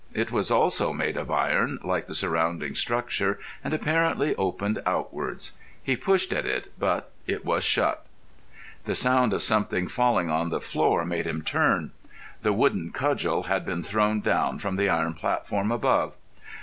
It was also made of iron like the surrounding structure, and apparently opened outwards. He pushed at it, but it was shut. A sound of something falling on the floor made him turn. The wooden cudgel had been thrown down from the iron platform above.